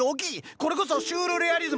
これこそシュールレアリスム！